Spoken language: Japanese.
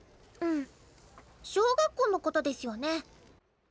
うん。小学校のことですよね。